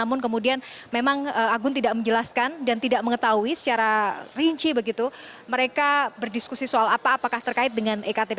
namun kemudian memang agun tidak menjelaskan dan tidak mengetahui secara rinci begitu mereka berdiskusi soal apa apakah terkait dengan ektp